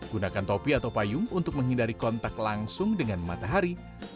gunakan topi atau payung untuk menghindari kontak langsung dengan matahari